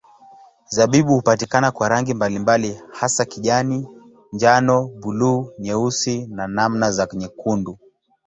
Zabibu hupatikana kwa rangi mbalimbali hasa kijani, njano, buluu, nyeusi na namna za nyekundu.